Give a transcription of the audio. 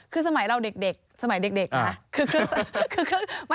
คือสมัยเราเด็กสมัยเด็กนะ